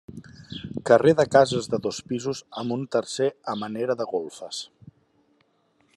Carrer de cases de dos pisos amb un tercer a manera de golfes.